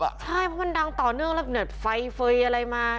ใช่เพราะมันดังต่อเนื่องแล้วเกิดไฟเฟย์อะไรมา